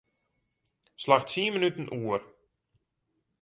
Slach tsien minuten oer.